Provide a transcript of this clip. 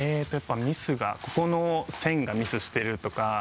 やっぱミスが「ここの線がミスしてる」とか。